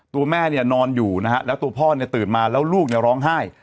ตัวแม่เนี่ยนอนอยู่นะฮะแล้วตัวพ่อเนี่ยตื่นมาแล้วลูกเนี่ยร้องไห้